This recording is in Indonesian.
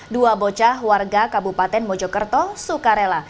dua bocah warga kabupaten mojokerto sukarela